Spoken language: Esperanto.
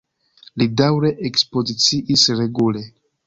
Li daŭre ekspoziciis regule.